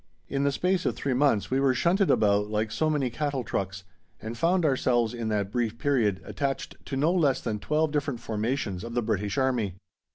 In the space of three months we were shunted about like so many cattle trucks and found ourselves, in that brief period, attached to no less than twelve different formations of the British Army!